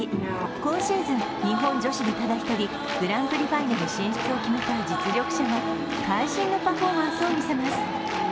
今シーズン日本女子でただ１人、グランプリファイナル進出を決めた実力者が会心のパフォーマンスを見せます。